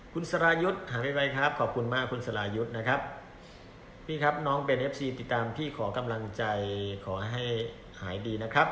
คุณสรายุทธ์หายไวครับขอบคุณมากคุณสรายุทธ์นะครับพี่ครับน้องเป็นเอฟซีติดตามพี่ขอกำลังใจขอให้หายดีนะครับ